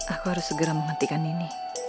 aku harus segera menghentikan ini